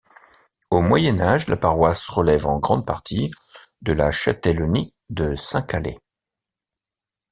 Au Moyen Âge, la paroisse relève en grande partie de la châtellenie de Saint-Calais.